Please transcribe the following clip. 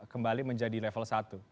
kembali menjadi level satu